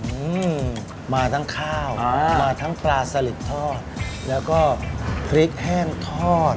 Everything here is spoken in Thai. อืมมาทั้งข้าวอ่ามาทั้งปลาสลิดทอดแล้วก็พริกแห้งทอด